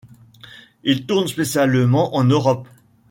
Il tourne spécialement en Europe.